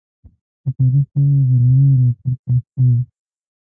د تاریخ پاڼو زلمي راپورته سوي